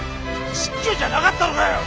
蟄居じゃなかったのかよ！